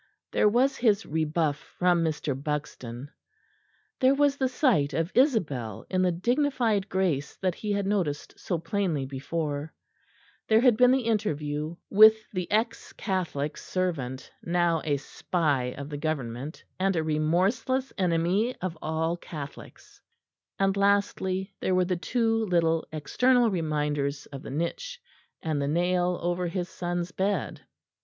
There was his rebuff from Mr. Buxton; there was the sight of Isabel in the dignified grace that he had noticed so plainly before; there had been the interview with the ex Catholic servant, now a spy of the Government, and a remorseless enemy of all Catholics; and lastly there were the two little external reminders of the niche and the nail over his son's bed.